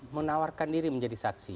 menawarkan diri menjadi saksi